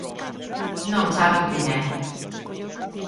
Non saben quen é.